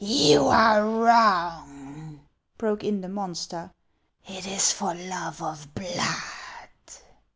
" You are wrong," broke in the monster ;" it is for love of blood."